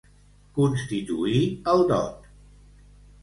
Constituir el dot.